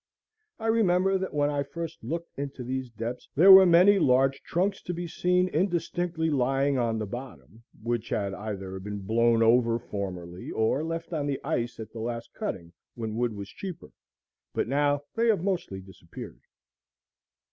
I remember that when I first looked into these depths there were many large trunks to be seen indistinctly lying on the bottom, which had either been blown over formerly, or left on the ice at the last cutting, when wood was cheaper; but now they have mostly disappeared.